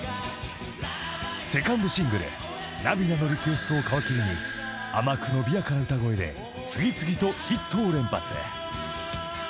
［セカンドシングル『涙のリクエスト』を皮切りに甘く伸びやかな歌声で次々とヒットを連発］